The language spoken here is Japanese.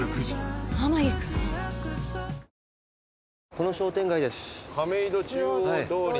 この商店街です。